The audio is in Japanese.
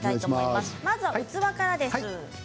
まずは器からです。